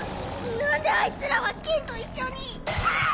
なんであいつらは剣と一緒にはうっ！